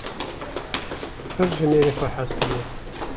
Pir ji mêrê xwe hez kiriye.